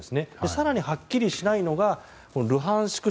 更に、はっきりしないのがルハンシク